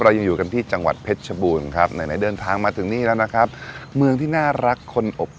หมายของผมในวันนี้นะครับ